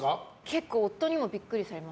結構夫にもびっくりされますね。